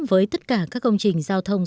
với tất cả các công trình giao thông